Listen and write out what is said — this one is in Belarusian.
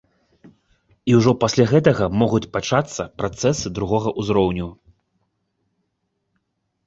І ўжо пасля гэтага могуць пачацца працэсы другога ўзроўню.